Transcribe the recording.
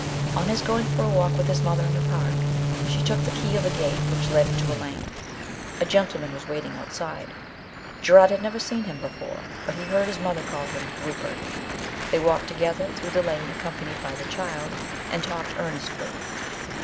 On his going for a walk with his mother in the park, she took the key of a gate which led into a lane. A gentleman was waiting outside. Gerard had never seen him before, but he heard hia mother call him Rupert. They walked together through the lane accompanied by the child, and talked earnestly.